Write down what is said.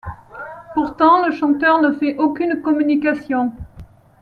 Pourtant le chanteur ne fait aucune communication.